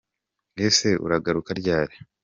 Ese uragaruka ryari?